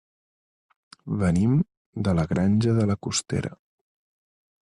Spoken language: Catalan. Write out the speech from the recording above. Venim de la Granja de la Costera.